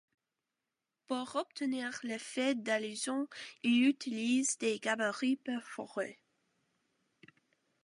Pour obtenir l’effet d’allusion, il utilise des gabarits perforés.